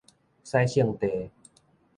使性地